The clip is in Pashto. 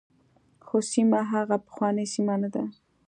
خو سیمه هغه پخوانۍ سیمه نه ده.